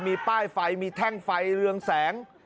มีป้ายไฟมีแท่งไฟเรืองแสง